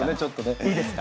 いいですか？